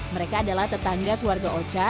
mereka adalah tetangga keluarga ocha